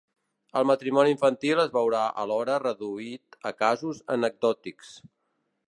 El matrimoni infantil es veurà alhora reduït a casos anecdòtics.